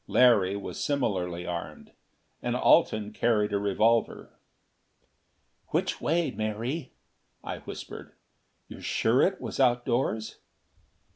Larry was similarly armed; and Alten carried a revolver. "Which way, Mary?" I whispered. "You're sure it was outdoors?"